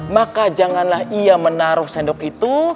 maka janganlah ia menaruh sendok itu